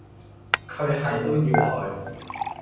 佢係都要去